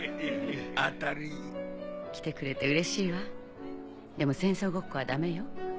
当たり。来てくれて嬉しいわでも戦争ごっこはダメよ。